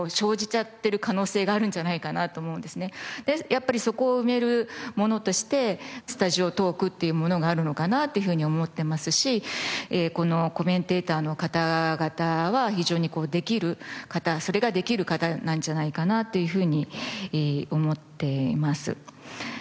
やっぱりそこを埋めるものとしてスタジオトークっていうものがあるのかなっていうふうに思ってますしこのコメンテーターの方々は非常にできる方それができる方なんじゃないかなっていうふうに思っています。